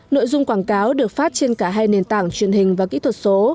nội dung quảng cáo được phát trên cả hai nền tảng truyền hình và kỹ thuật số